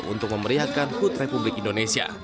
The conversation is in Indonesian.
untuk memerihakan kutuban